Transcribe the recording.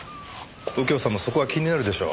右京さんもそこは気になるでしょ？